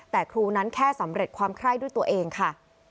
แต่ครูนั้นแค่สำเร็จความไคร้ด้วยตัวเองค่ะ